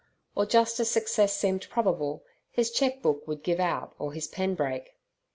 Or just as success seemed probable, his cheque book would give out or his pen break.